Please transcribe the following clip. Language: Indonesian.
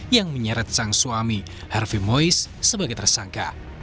yang menyeret sang suami hervi mois sebagai tersangka